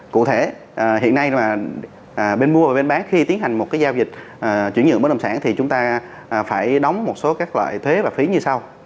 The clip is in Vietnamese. cụ thể hiện nay mà bên mua và bên bán khi tiến hành một cái giao dịch chuyển nhượng bất động sản thì chúng ta phải đóng một số các loại thuế và phí như sau